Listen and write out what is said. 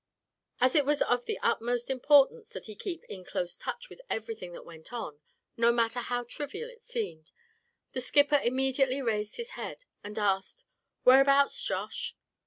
As it was of the utmost importance that he keep in close touch with everything that went on, no matter how trivial it seemed, the skipper immediately raised his head, and asked: "Where abouts, Josh?"